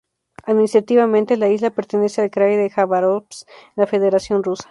Administrativamente la isla pertenece al krai de Jabárovsk en la Federación Rusa.